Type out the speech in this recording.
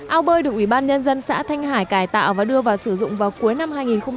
ao bơi được ủy ban nhân dân xã thanh hải cải tạo và đưa vào sử dụng vào cuối năm hai nghìn một mươi